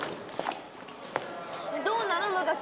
どうなの？